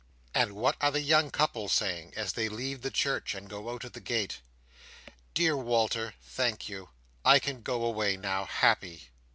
And what are the young couple saying as they leave the church, and go out at the gate? "Dear Walter, thank you! I can go away, now, happy."